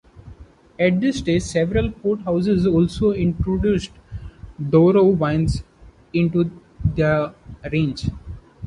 At this stage, several Port houses also introduced Douro wines into their range.